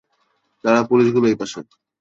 দাঁড়া, পুলিশগুলো এই পাসে।